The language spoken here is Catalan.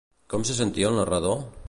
Com se sentia el narrador?